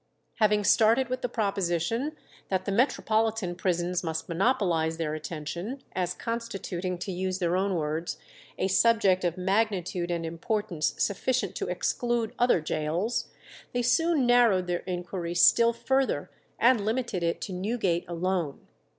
Having started with the proposition that the metropolitan prisons must monopolize their attention, as constituting, to use their own words, "a subject of magnitude and importance sufficient to exclude other gaols," they soon narrowed their inquiry still further, and limited it to Newgate alone.